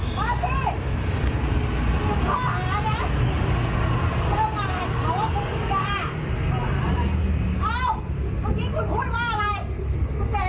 ไม่ยินไหมเดี๋ยวมันไม่ได้ยินมัน